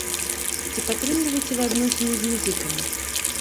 Ці падтрымліваеце вы адносіны з музыкамі?